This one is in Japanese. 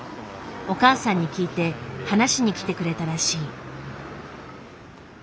お母さんに聞いて話しに来てくれたらしい。